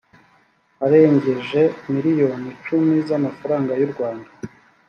arengeje miliyoni icumi z amafaranga y urwanda